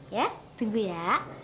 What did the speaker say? ya tunggu ya